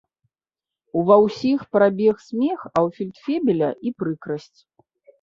Ува ўсіх прабег смех, а ў фельдфебеля і прыкрасць.